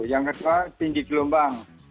yang kedua tinggi gelombang